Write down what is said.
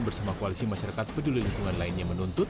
bersama koalisi masyarakat peduli lingkungan lainnya menuntut